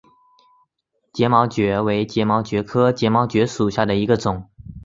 睫毛蕨为睫毛蕨科睫毛蕨属下的一个种。